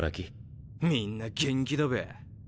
みんな元気だべ。